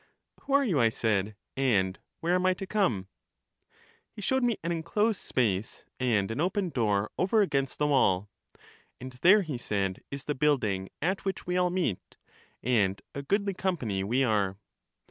Who are you, I said ; and where am I to come ? He showed me an enclosed space and an open door over against the wall. And there, he said, is the build ing at which we all meet: and a goodly company we are.